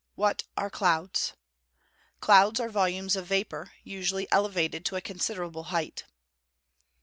What are clouds? Clouds are volumes of vapour, usually elevated to a considerable height.